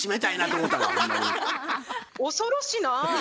恐ろしなぁ。